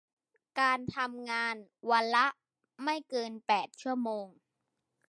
การทำงานวันละไม่เกินแปดชั่วโมง